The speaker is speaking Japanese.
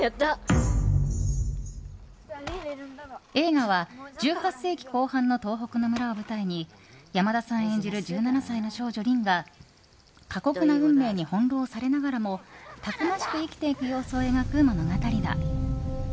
映画は１８世紀後半の東北の村を舞台に山田さん演じる１７歳の少女・凛が過酷な運命に翻弄されながらもたくましく生きていく様子を描く物語だ。